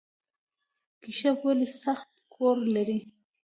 کیشپ ولې سخت کور لري؟